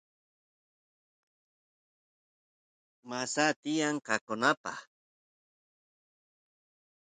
masa tiyan qoqanapaq